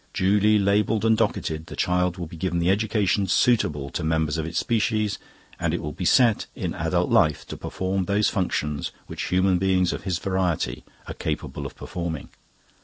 Duly labelled and docketed, the child will be given the education suitable to members of its species, and will be set, in adult life, to perform those functions which human beings of his variety are capable of performing."